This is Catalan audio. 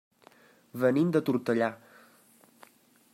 Venim de Tortellà.